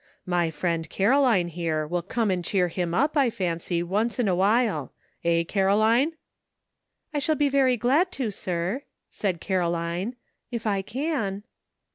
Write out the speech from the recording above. My friend Caroline, here, will come and cheer him up, I fancy, once in a while — eh, Caroline ?" "I shall be very glad to, sir," said Caroline, " if I can."